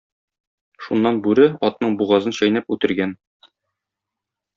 Шуннан бүре, атның бугазын чәйнәп, үтергән.